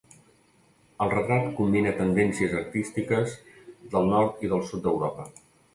El retrat combina tendències artístiques del nord i del sud d'Europa.